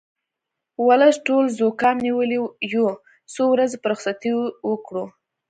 ولس ټول زوکام نیولی یو څو ورځې به رخصتي وکړو